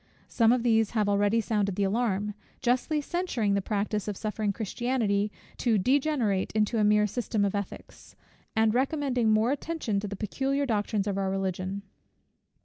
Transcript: Some of these have already sounded the alarm; justly censuring the practice of suffering Christianity to degenerate into a mere system of ethics, and recommending more attention to the peculiar doctrines of our Religion.